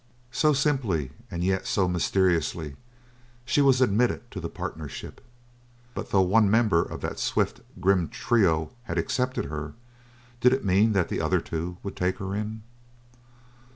So simply, and yet so mysteriously, she was admitted to the partnership. But though one member of that swift, grim trio had accepted her, did it mean that the other two would take her in?